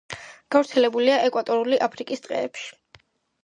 გავრცელებულია ეკვატორული აფრიკის ტყეებში.